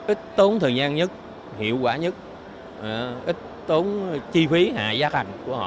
ít tốn thời gian nhất hiệu quả nhất ít tốn chi phí hạ giá